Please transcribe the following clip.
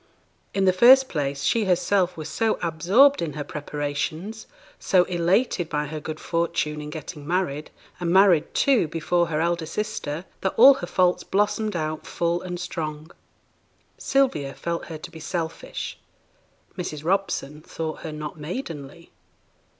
In the first place, she herself was so absorbed in her preparations, so elated by her good fortune in getting married, and married, too, before her elder sister, that all her faults blossomed out full and strong. Sylvia felt her to be selfish; Mrs. Robson thought her not maidenly.